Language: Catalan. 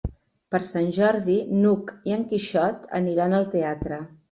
Per Sant Jordi n'Hug i en Quixot aniran al teatre.